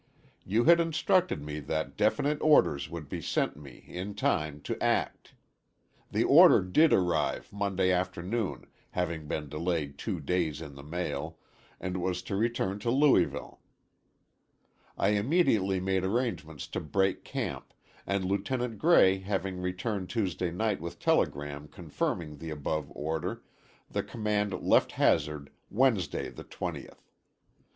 You had instructed me that definite orders would be sent me in time to act. The order did arrive Monday afternoon, having been delayed two days in the mail, and was to return to Louisville. I immediately made arrangements to break camp, and Lieutenant Gray having returned Tuesday night with telegram confirming the above order, the command left Hazard Wednesday, the 20th.